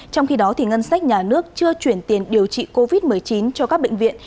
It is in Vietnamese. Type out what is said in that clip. trong khi đó ngân sách nhà nước chưa chuyển tiền điều trị covid một mươi chín cho các bệnh viện